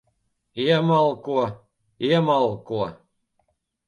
Iemalko. Iemalko.